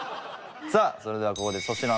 さあそれではここで。